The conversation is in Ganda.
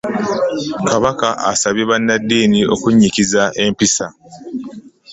Kabaka asabye banaddiini okunyikiza empisa.